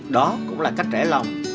đó cũng là cách trẻ lòng